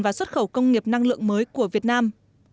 và xuất khẩu công nghiệp năng lượng mới của việt nam